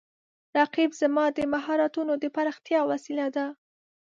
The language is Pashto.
رقیب زما د مهارتونو د پراختیا وسیله ده